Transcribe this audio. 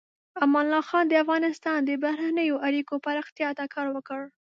امان الله خان د افغانستان د بهرنیو اړیکو پراختیا ته کار وکړ.